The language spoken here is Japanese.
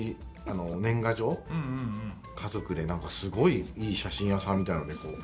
家族で、すごいいい写真屋さんみたいなので、こう。